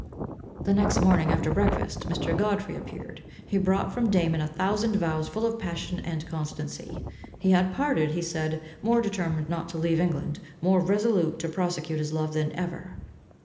The next morning after breakfast, Mr. Godfrey appeared. He brought from Damon a thousand vows full of passion and constancy. He had parted, he said, more determined not to leave England, more resolute to prosecute his love than ever.